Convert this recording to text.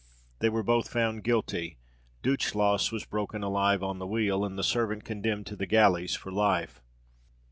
They were both found guilty. Duchelas was broken alive on the wheel, and the servant condemned to the galleys for life.